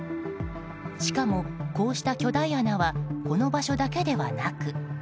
しかもこうした巨大穴はこの場所だけではなく。